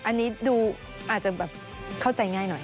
อันนี้ดูอาจจะแบบเข้าใจง่ายหน่อย